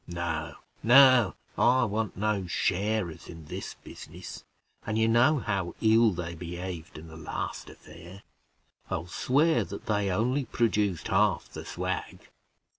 No, no, I want no sharers in this business, and you know how ill they behaved in the last affair. I'll swear that they only produced half the swag.